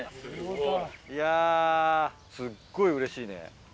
いやすっごいうれしいね。